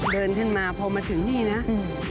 เดินขึ้นมาพอมาถึงนี่นะอืม